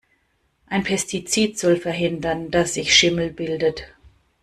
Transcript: Ein Pestizid soll verhindern, dass sich Schimmel bildet.